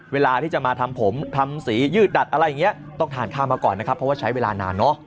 เวลาที่จะมาทำผมทำสียืดดัดอะไรอย่างนี้ต้องทานข้าวมาก่อนนะครับเพราะว่าใช้เวลานานเนอะ